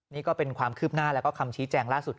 นี่ก็เป็นความคืบหน้าแล้วก็คำชี้แจงล่าสุด